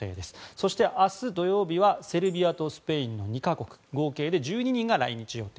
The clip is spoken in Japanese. そして、明日土曜日はセルビアとスペインの２か国合計で１２人が来日予定。